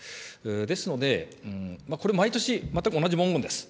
ですので、これ、毎年全く同じ文言です。